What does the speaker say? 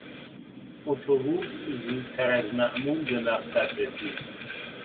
اتوبوس زودتر از معمول به مقصد رسید.